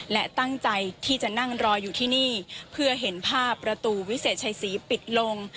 และตั้งใจที่จะนั่งรออยู่ที่นี่เพื่อเห็นภาพประตูวิเศษชัยศรีปิดลง